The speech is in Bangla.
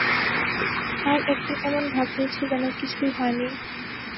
আর এখন এমন ভাব নিচ্ছে যেন কিছুই হয়নি।